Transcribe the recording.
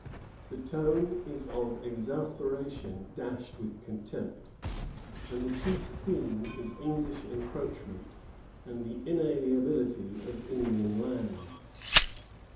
The tone is one of exasperation dashed with contempt, and the chief theme is English encroachment and the inalienability of Indian lands.